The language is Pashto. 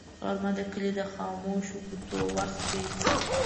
غرمه د کلي د خاموشو کوڅو وخت دی